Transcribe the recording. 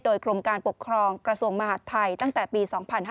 โดยกรมการปกครองกระทรวงมหาดไทยตั้งแต่ปี๒๕๕๙